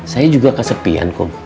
saya juga kesepian kum